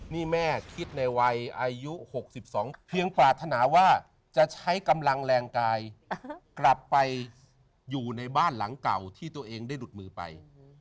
นี่แม่คิดในวัยอายุ๖๒เพียงปรารถนาว่าจะใช้กำลังแรงกายกลับไปอยู่ในบ้านหลังเก่าที่ตัวเองได้หลุดมือไป